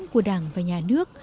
của đảng và nhà nước